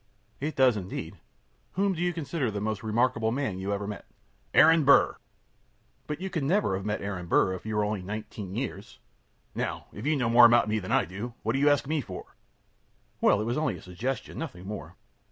Q. It does, indeed. Whom do you consider the most remarkable man you ever met? A. Aaron Burr. Q. But you never could have met Aaron Burr, if you are only nineteen years! A. Now, if you know more about me than I do, what do you ask me for? Q. Well, it was only a suggestion; nothing more.